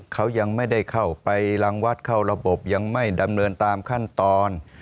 เขายังไม่ได้เข้าไปรังวัดเข้าระบบยังไม่ดำเนินตามขั้นตอน